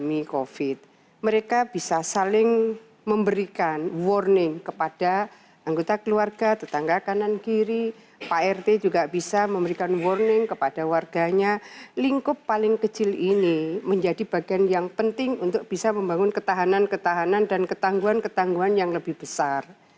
mereka bisa saling memberikan warning kepada anggota keluarga tetangga kanan kiri pak rt juga bisa memberikan warning kepada warganya lingkup paling kecil ini menjadi bagian yang penting untuk bisa membangun ketahanan ketahanan dan ketangguhan ketangguhan yang lebih besar